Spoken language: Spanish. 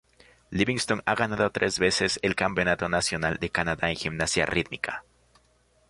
Livingston ha ganado tres veces el campeonato nacional de Canadá en gimnasia rítmica.